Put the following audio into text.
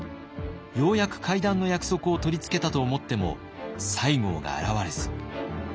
ようやく会談の約束を取り付けたと思っても西郷が現れず。